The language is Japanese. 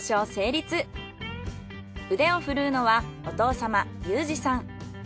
腕を振るうのはお父様融二さん。